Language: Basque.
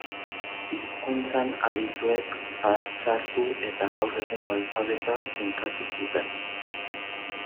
Hizkuntzan adituek batzartu eta gaur egungo alfabetoa finkatu zuten.